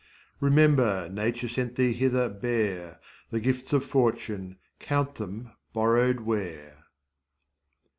Remember nature sent thee hither bare, The gifts of Fortune, count them borrowed ware.